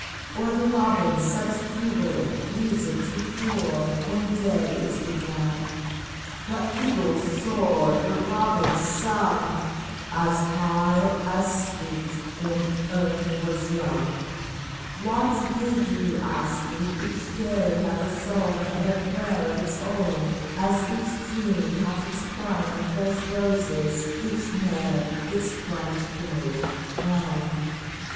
Or the robin such jubilant music to pour When day is begun ? The eagles soared, the robins sung, As high, as sweet, when earth was young ! WHAT NEED ? 17I What need, do you ask me ? Each day Hath a song and a prayer of its own, As each June hath its crown of fresh roses, each May Its bright emerald throne